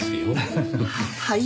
はい？